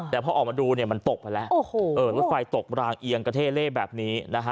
แต่พอออกมาดูเนี่ยมันตกไปแล้วรถไฟตกรางเอียงกระเท่เล่แบบนี้นะฮะ